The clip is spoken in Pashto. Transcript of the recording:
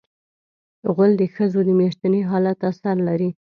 غول د ښځو د میاشتني حالت اثر لري.